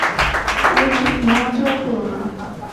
Will, নড়াচড়া কোরো না।